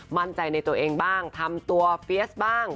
มั่นใจในตัวเองบ้างทำตัวเฟียสบ้าง